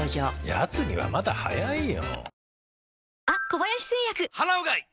やつにはまだ早いよ。